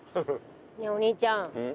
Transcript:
ねえお兄ちゃんうん？